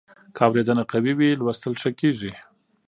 که اورېدنه قوي وي، لوستل ښه کېږي.